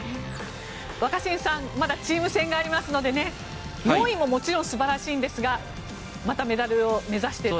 若新さん、まだチーム戦がありますので４位ももちろん素晴らしいんですがまたメダルを目指して。